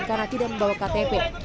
karena tidak membawa ktp